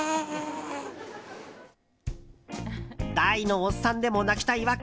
大のおっさんでも泣きたい訳。